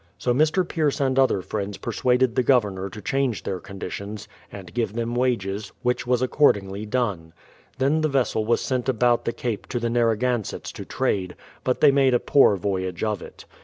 So Mr. Pierce and other friends persuaded the Governor to change their conditions, and give them wages; which was accordingly done. Then the vessel was sent about the Cape to the Narragansetts to trade, but they made a poor voyage of it.